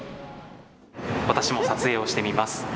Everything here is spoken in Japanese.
私も撮影をしてみます。